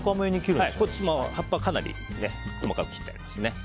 葉っぱはかなり細かく切ってありますね。